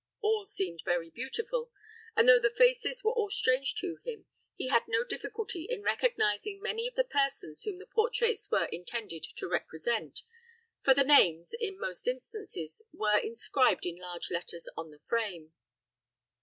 All seemed very beautiful; and though the faces were all strange to him, he had no difficulty in recognizing many of the persons whom the portraits were intended to represent, for the names, in most instances, were inscribed in large letters on the frame.